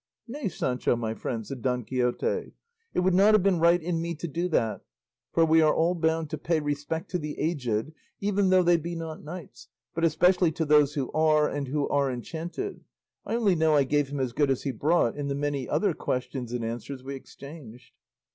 "Nay, Sancho, my friend," said Don Quixote, "it would not have been right in me to do that, for we are all bound to pay respect to the aged, even though they be not knights, but especially to those who are, and who are enchanted; I only know I gave him as good as he brought in the many other questions and answers we exchanged."